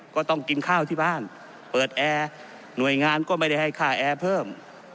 ก็ต้องกินข้าวที่บ้านเปิดแอร์หน่วยงานก็ไม่ได้ให้ค่าแอร์เพิ่ม